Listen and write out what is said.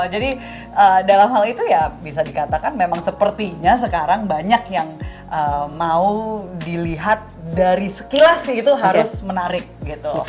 jadi dalam hal itu ya bisa dikatakan memang sepertinya sekarang banyak yang mau dilihat dari sekilas sih itu harus menarik gitu